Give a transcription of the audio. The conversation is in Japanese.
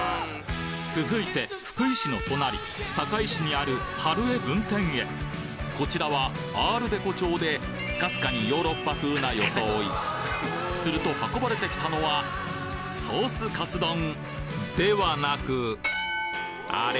続いて福井市の隣坂井市にある春江分店へこちらはアール・デコ調でかすかにヨーロッパ風な装いすると運ばれてきたのはソースカツ丼ではなくアレ？